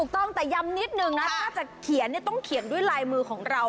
ถูกต้องแต่ย้ำนิดนึงนะถ้าจะเขียนต้องเขียนด้วยลายมือของเรา